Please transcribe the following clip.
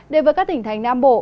để với các tỉnh thành nam bộ